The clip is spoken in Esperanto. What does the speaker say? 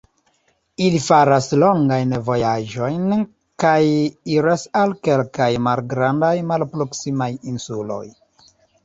Ili faras longajn vojaĝojn kaj iras al kelkaj malgrandaj, malproksimaj insuloj.